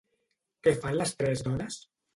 Què fan les tres dones?